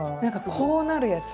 こうなるやつ。